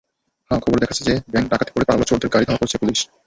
হ্যাঁ, খবরে দেখাচ্ছে যে ব্যাংক ডাকাতি করে পালানো চোরদের গাড়ি ধাওয়া করছে পুলিশ।